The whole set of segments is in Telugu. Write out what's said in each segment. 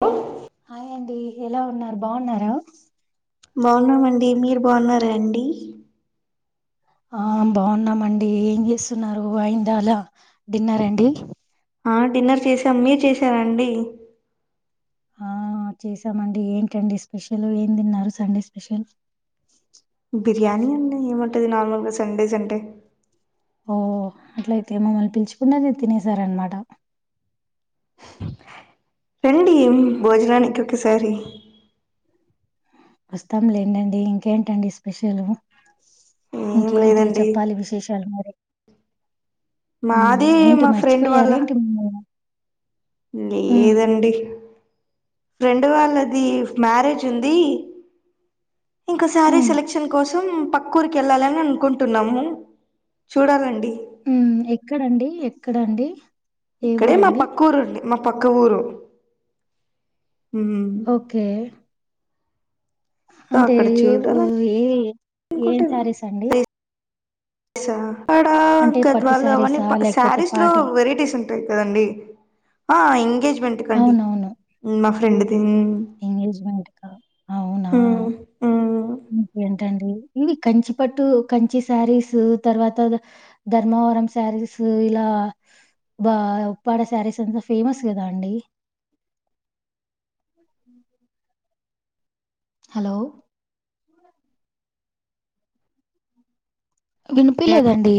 హ హాయ్ అండి ఎలా ఉన్నారు బాన్నార బాన్నామండి మీర్ బాన్నార. అండి ఆ బాగున్నామండి ఏం జేస్తున్నారు అయింద అలా డిన్నర్ అండి ఆ డిన్నర్ చేసాం మీరు చేసార అండి ఆ చేసామండి ఏంటండి స్పెషల్ ఏం తిన్నారు సండే స్పెషల్ ఉంటది నార్మల్ గా సండేస్ అంటే ఓ అట్లయితే మమ్మల్ని పిల్చుకున్న మీరు తినేశారు అనమాట రండి భోజనానికి ఒక సారి వస్తాం లేండండి ఇంకేంటండి స్పెషలు ఏం ఇంకేంటి లేదండి చెప్పాలి విశేషాలు మరి ఉమ్ మాది ఏంటి మా ఫ్రెండ్ వాళ్ళ మర్చిపోయారా ఏంటి మమ్మల్ని ఉమ్ లేదండి ఫ్రెండ్ వాళ్ళది మ్యారేజ్ ఉంది ఇంకసారీ ఉమ్ సెలెక్షన్ కోసం పక్ క్కూరికి ఎళ్ళాలని అనుకుంటున్నాము చూడాలండి ఉ ఎక్కడండి ఎక్కడండి ఏ ఇక్కడే మా ఊరండి పక్కూరు అండీ మా పక్క ఊరు మ్మ్. ఓకే సో అంటే అక్కడ ఏ చూడాలని ఏ ఏం సారీస్ అండి సా ఆడ అంటే పట్టు గద్వాలు అవన్నీ శారీసా? లేకపోతే శారీస్ లో పార్టీ వెరైటీస్ ఉంటాయి కదా అండి ఆ ఇంగేజు మెంట్ కండి మా ఫ్రెండ్ దె నిజమే అక్క అవునా మ్మ్ మ్మ్ ఇంకా టాండి ఇవి కంచిపట్టు కంచి శారీస్ తర్వాత ధర్మవరం శారీస్ ఇలా బ ఉప్పాడ శారీస్ అంత ఫేమస్ కదా అండి. హలో వినిపిలేదండి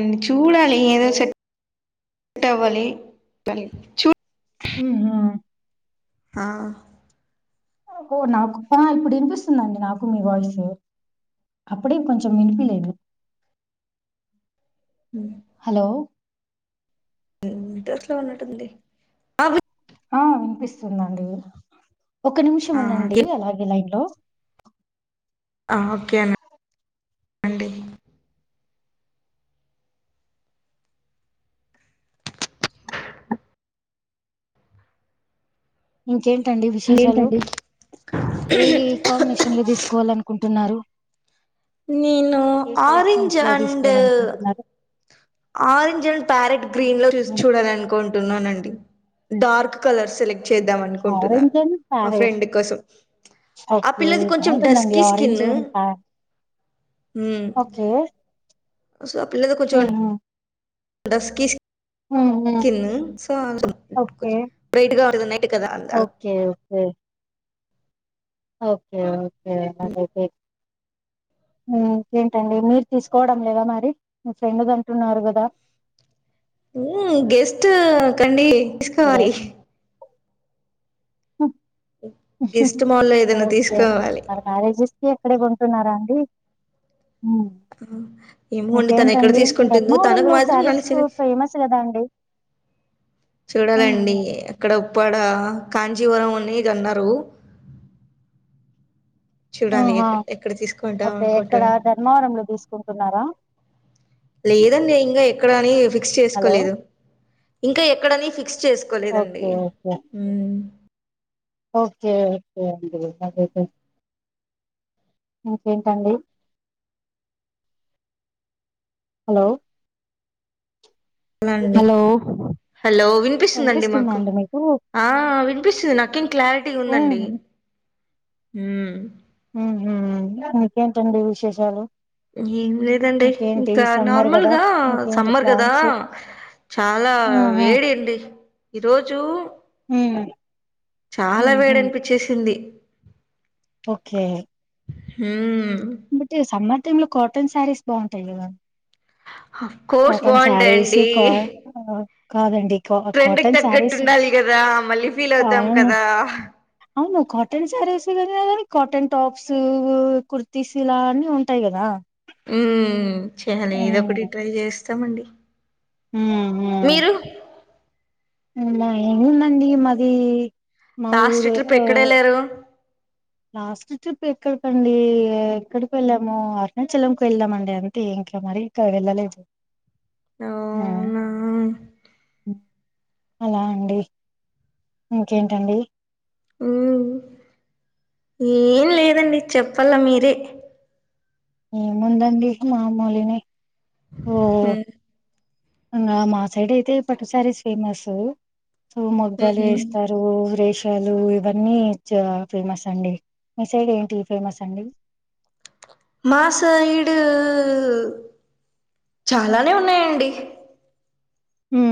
అ చూడాలి ఏదో హలో! సెట్ చట్ అవ్వాలి చూ హ ఆ ఓ నాకు ఇప్పుడు వినిపిస్తుందిండి నాకు మీ వాయిస్ అప్పుడే కొంచెం వినిపిలేదు హ హలో [unintelligible] ఆ వినిపిస్తుందండి ఒక నిమిషం ఉందండి అలాగే లైన్ లో ఆ ఓకే అన్న ఇంకేం టండి విశేషాలు ఏంటండి ఏ కాంబినేషన్లో తీసుకోవాలను కుంటున్నారు నను ఆరెంజ లో అండ్ తీసుకోవాలనుకుంటున్నారు ఆరెంజ్ అండ్ ప్యారెట్ గ్రీన్ లో [unintelligible] చూడాలి అనుకుంటున్నానండి డార్క్ కలర్ సెలెక్ట్ చేద్దాం అనుకుంటున్నా ఆరెంజ్ అండ్ మా ప్యారెట్ ఫ్రెండ్ కోసం ఆ ఓకే పిల్లది కొంచెం డస్ బాగుంటుందండి కి స్కిన్ ఆరెంజ్ అండ్ ప్యారెట్ ఉ ఓకే సో ఆ పిల్లది కొంచం.. దస్కీస్ స్కిన్ సో ఓకే [unintelligible] బ్రైట్గా నట్ కదా ఓకే ఓకే ఓకే ఓకే అలాగైతే ఉ ఏంటండి మీరు తీసుకోవడం లేదా మరి మీ ఫ్రెండ్ది అంటున్నారు కదా. ఉ గెస్ట్ కండి హలో వేసుకోవాలి గెస్ట్ మాల్లో ఏదైనా ఓకేం తీసుకోవాలి మ మ్యారేజెస్కిికి ఆక్కడ కొంటున్నారా డీ ఏమో అండి తను ఎక్కడ ఇంకేంటండి తీసుకుంటుందో ధర్మవరం తనకు లో మాత్రం శారీస్ నన్ను కు సెలెక్ట్ ఫేమసు కద అండి. ఉమ్, చూడాలండి ఉమ్, ఏక్కడో ఉప్పాడ, కాంచీవరం అని అనరు చూడాలి ఉమ్, ఎ ఆ. ఎక్కడ తీసుకుంటా ఓకే ఎక్కడ అనుకుంటును ధర్మవరంలో తీసుకుంటున్నారా లేదండి ఇంకా ఎక్కడ అని ఫిక్స్ హలో చేసుకోలేదు ఇంకా ఎక్ ఇక్కడని ఫిక్స్ చేసుకోలేదండి ఓకే ఓకే ఉ ఓకే ఓకే అండి. అట్లయితే ఇంకేంటండి హలో హలో అండి. హలో వినిపిస్తుందండి వినిపిస్తుందా మాకు అండి మీకు ఆ ఆ వినిపిస్తుంది నాకేం క్లారిటీగా ఉందండి. ఉమ్ ఉమ్ ఉమ్ ఇంకేంటండి విశేషాలు ఏం లేదండి. ఇంకేంటి ఇంకా సమ్మర్ కదా నార్మల్గా ఇంకేంటి సమ్మర్ గాదా ప్లాన్స్ చాలా ఉమ్ ఉమ్ వేడి అండి. ఈరోజు చాలా ఉమ్ వేడి ఉమ్ అనిపించ్చేసింది. ఓకే హూమ్ బట్టి సమ్మర్ టైంలో కాటన్ శారీస్ బాగుంటాయి. గాదా ఆఫ్ కోర్స్ బాగుంటాయండి. కా ఆహ్, కాదండి కా ట్రెండ్ కి కాటన్ శారీస్ తగ్గట్టుండాలి. గాదా మళ్ళీ ఫీల్ అవుతాం అవును కదా అవును కాటన్ శారీస్ గానీ అని కాటన్ టాప్స్ కుర్తీస్ ఇలా అన్ని ఉంటాయి. గాదా ఉమ్ చేయాలి ఇదొ ఒకటి ట్రై చేస్ స్తామండి. మ్మ్ మీరు హ్మా ఏముంది అండి మాది మా లాస్ట్ ఊరు ట్రిప్ ఎక్కడ ఏళ్ళారు. లాస్ట్ ట్రిప్ ఎక్కడికండి ఎక్కడికి వెళ్ళాము. అరుణాచలంకి వెళ్ళామండి. అంతే ఇంకా మరీ ఇంక వెళ్ళలేదు. హూమ్ అవునా అలా అండి ఇంకేంటండి. మ్మ్ ఏం లేదండి. చెప్పాల్ల మీరే ఏముందండి. మామూలునే ఓ మ్మ్ ఇంగ మా సైడ్ అయితే పట్టు సారీస్ ఫేమస్ స్ మొగ్గలు మ్మ్ ఏస్తారు. రేష్ లు ఇవన్నీ చాలా ఫేమస్ అండి. మిసైడ్ ఏంటి ఫేమస్ అండి మా సైడ్ చాలానే ఉన్నాయండి. హ్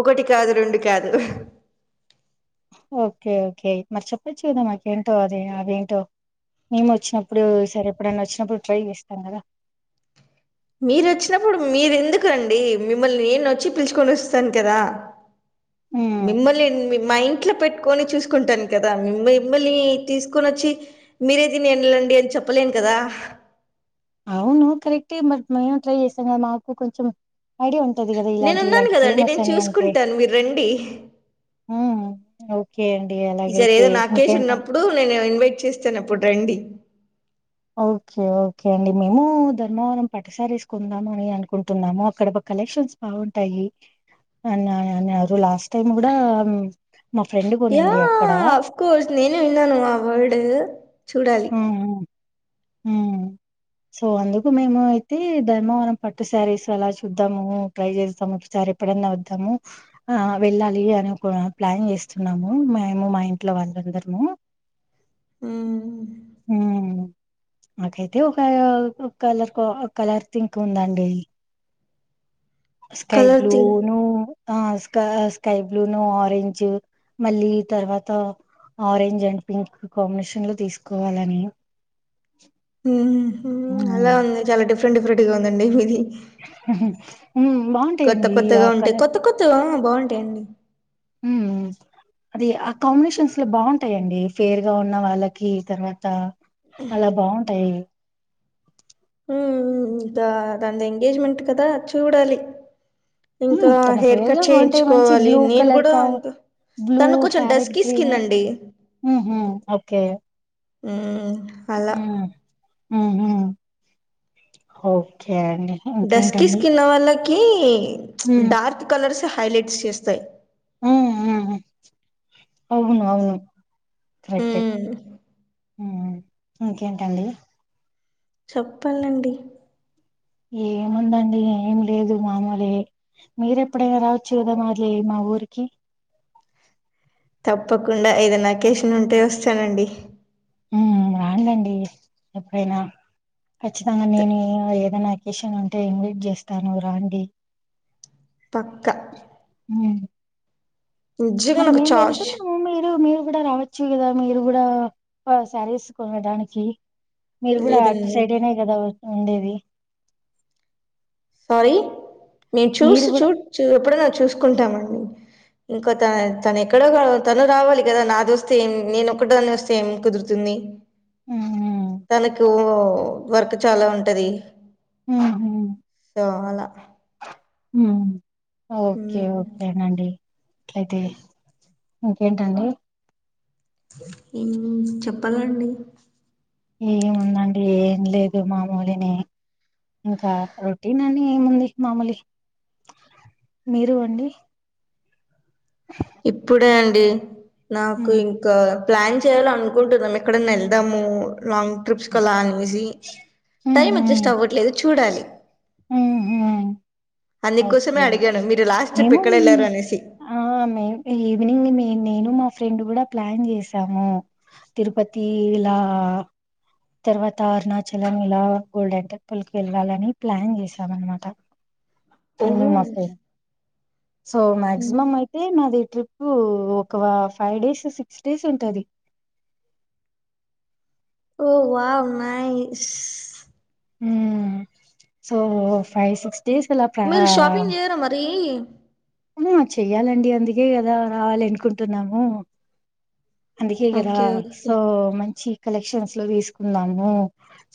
ఒకటి కాదు రెండు కాదు ఓకే ఓకే మరి చెప్పచ్చు. కదా మాకేంటో అది అదేంటో మేము వోచ్చినప్పుడు సరే ఎప్పుడన్న వోచ్చినప్పుడు ట్రై చేస్తాం. గాదా మీరు వోచ్చినప్పుడు మీరు ఎందుకు అండి. మిమ్మల్ని నేను వోచ్చి పిలుచుకొని వోస్తాను. కదా హ్మ్ మిమ్మల్ని మా ఇంట్లో పెట్టి కట్కొని చూసుకుంటాను. కదా మి మిమ్మల్ని తీసుకొని వోచ్చి మీరేది ఏళ్ళండి. అని చెప్పలేను కదా అవును కరెక్ట్ మరీ మేము ట్రై చేసాం. గాదా మాకు కొంచెం ఐడియా ఉంటది. కదా ఇలాంటి నేనున్నాను ఇలాంటి కదండి ఫేమస్ నేను అని అంటే చూసుకుంటాను మీరు రండి హ్ ఓ ఈ సారి ఏదో నాకేసి ఉన్నప్పుడు నేను వెయిట్ చేస్తాను అప్పుడు రండి ఓకే ఓకే అండి మేము ధర్మవరం పట్టుసారీస్ కొందాం అని అనుకుంటున్నాము అక్కడ కలెక్షన్స్ బాగుంటాయి అని అన్నారు లాస్ట్ టైం కూడా మా ఫ్రెండ్ యా కొనింది అక్కడ అఫ్ కోర్స్ నేను విన్నాను ఆ వర్డు చూడాలి ఆహా హ్మ్ సో అందుకు మేము అయితే ధర్మవరం పట్టు శారీస్ అలా చూద్దాము ట్రై చేస్తాము ఒకసారి ఎప్పుడన్నా వద్దాము ఆ వెళ్ళాలి అని ఒక ప్లాన్ చేస్తున్నాము మేము మా ఇంట్లో వాళ్ళందరము హ్మ్ హ్మ్ నాకైతే ఒక కలర్ ఒక కలర్ థింక్ ఉందండి స్కై కలర్ బ్లూ థింగ్ ను ఆ స్క స్కై బ్లూ ను ఆరెంజ్ మళ్ళీ తర్వాత ఆరెంజ్ అండ్ పింక్ కాంబినేషన్ లో తీసుకోవాలని ఊహూ హ్మ్ అలా ఉంది చాలా డిఫరెంట్ డిఫరెంట్ డిఫరెంట్ట్గా ఉందండి మీది బాగుంటాయండి ఈ ఆక్కళ బాంట అండి ఉ అది ఆ కాంబినేషన్స్ లో బాగుంటాయండి ఫేర్ గా ఉన్న వాళ్ళకి తర్వాత అలా బాగుంటాయి ఇంకా దాని ఎంగేజ్మెంట్ కదా చూడాలి ఇంకా తన హెయిర్ ఫేవ గా కట్ బాగుంటాయి మంచి చేయించుకోవాలి బ్లూ నేను కలర్ కూడా కావ ఇంకా బ్లూ తను కొంచెం ప్యారెట్ డస్కీ స్కిన్ గ్రీన్ అండి ఓకే ఆ ఆ ఓకే అండి. ఇంకేంటండి? దస్కిస్కిన్నా వా క హ్మ్. డార్క్ కలర్ స హైలైట్స్ చేస్తాయి ఆ అవును అవును కరెక్ట్ ఉమ్ ఇంకేంటండి చెప్పాలండి ఏముందండి ఏమి లేదు మామూలే మీర ఎప్పుడైనా రావచ్చు కదా మాది మా ఊరికి తప్పకుండా ఏద నాకేషన్ ఉంటే వస్తానండి రాంండి ఎప్పుడైనా ఖచ్చితంగా త- నేను ఏదైనా అకేషన్ అంటే ఇన్వైట్ చేస్తాను రాండి పక్క మ్మ్ మరి మేము వెళ్తున్నాము మీరు మీరు కూడా రావచ్చు కదా మీరు కూడా శారీస్ కొనడానికి మీరు కూడా అటు సైడ్ లేదండి అనా కదా ఉండేది సారీ మేము మీరు చూసి చూ కూడా చు ఎప్పుడై నా చూసుకుంటామండి ఇంకో త తన ఎక్కడో తను రావాలి కదా నాది వస్తే ఏం నేనొక్కదాన్ని దాని వస్తే ఏం కుదురుతుంది మ్మ్ తనకు వర్క్ చాలా ఉంటది ఊహూ సో అలా హ్మ్ ఓకే ఓకే నండి ట్లైతే ఇంకేంటండి ఇ చెప్పాలండి ఏముందండి ఏం లేదు మామూలినే ఇంకా రొటీన్ అని ఏముంది మామూలి మీరు అండి ఇప్పుడే అండి నాకు మ్మ్ ఇంకా ప్లాన్ చేయాల అనుకుంటున్నాం ఎక్కడన్న వెళ్దాము లాంగ్ ట్రిప్స్ కలా అనేసి మ్మ్ టైమ్ అడ్జస్ట్ మ్మ్ అవ్వట్లేదు చూడాలి ఆహా! అందుకోసమే ఓకే. ఓకే. అడిగాను మీరు లాస్ట్ ట్రిప్ మేము ఎక్కడ వెళ్ళారు అనేసి ఆ! మేము ఈవినింగ్ నేను మా ఫ్రెండ్ కూడా ప్లాన్ చేసాము తిరుపతి ఇలా తర్వాత అరుణాచలం ఇలా గోల్డెన్ టెంపుల్ కి వెళ్ళాలని ప్లాన్ చేసాం అనమాట నేను మా ఫ్రెండ్ ఓహో సో మాక్సిమం అయితే నాది ట్రిప్పు ఒక ఫైవ్ డేస్ సిక్స్ డేస్ ఉంటది ఓ వావ్ నైస్ ఊ సో ఫైవ్ సిక్స్ మీరు షాపింగ్ చేయారా మరి చెయ్యాలండి అందుకే కదా రావాలి అనుకుంటున్నాము అందుకే కదా ఓకే. ఓకే. సో మంచి కలెక్షన్స్ లో తీసుకున్నాము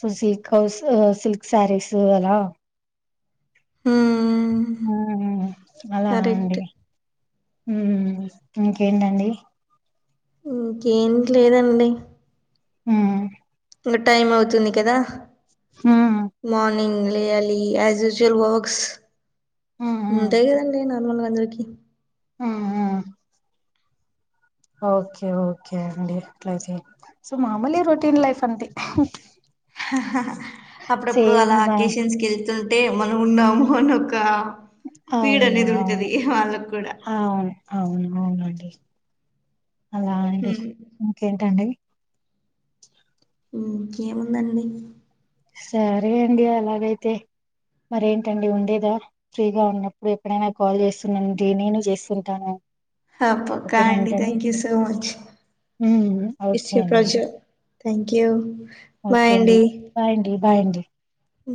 so silk house silk saris అలా హ్మ్. హ అలా అండి కరెక్ట్. ఇంకేంటండి ఇంకేం లేదండి ఊ ఇంగా టైం అవుతుంది కదా ఉమ్ మార్నింగ్ లేయాలి యజ్యుజువల్ వర్క్స్ ఉమ్ ఉమ్ అంతే కదండి నా మన అందరికీ ఆ ఆ ఓకే ఓకే అండి అట్లా చేయ్ సో మామూలు రొటీన్ లైఫ్ అంతే అప్పుడప్పుడు అలా సేమ్ అకేషన్స్ వెళ్తు అంటే మనము ఉన్నాము అనీ ఒక ఫీడ్ అవును అనేది అవును ఉంటది వాళ్ళకు కూడా అవును అవును అవునండి అలా అండి హ్మ్. ఇంకేంటండి ఇంకేముందండి సరే అండి అలాగైతే మరేంటండి ఉండేదా ఫ్రీగా ఉన్నప్పుడు ఎప్పుడైనా కాల్ చేస్తు ఉన్నండి నేను చేస్తుంటాను పక్క ఓకేనా అండి అంటండి thank you so much is okay అండి ప్రజెర్ థ్యాంక్ యూ ఓకే అండి బాయ్ అండి బాయ్ అండి ఉ